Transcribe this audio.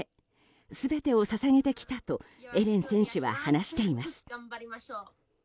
全てを捧げてきたとエレン選手は話しています。